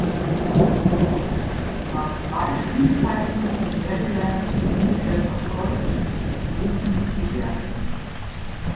Nach zwei Spielzeiten in Maryland verließ er das College um Profi zu werden.